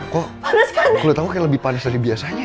kok kulit aku kayak lebih panas dari biasanya